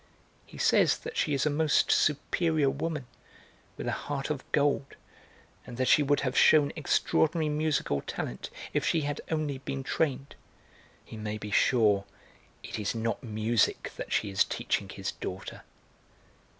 He says that she is a most superior woman, with a heart of gold, and that she would have shewn extraordinary musical talent if she had only been trained. He may be sure it is not music that she is teaching his daughter."